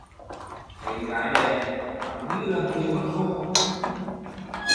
Thấy gái đẹp hắn như người mất hồn